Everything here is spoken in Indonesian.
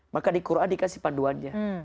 maka di quran dikasih panduannya